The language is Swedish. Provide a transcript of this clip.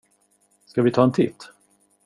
Ska vi ta en titt?